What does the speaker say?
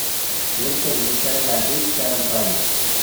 Yal tagnit ara iɛeddin tessaram tayeḍ.